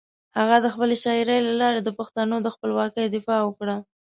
هغه د خپلې شاعري له لارې د پښتنو د خپلواکۍ دفاع وکړه.